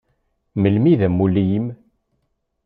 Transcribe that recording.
Melmi i d amulli-im?